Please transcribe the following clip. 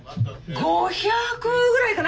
５００ぐらいかな？